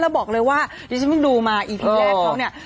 แล้วบอกเลยว่าดิฉันเพิ่งดูมาอีทีแรกเขาเนี่ย